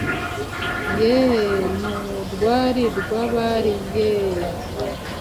Yeee, mu rwari rw’abari yeee,